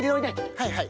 はいはい。